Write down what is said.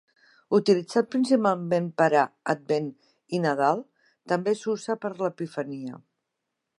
Utilitzat principalment per a Advent i Nadal, també s'usa per a l'Epifania.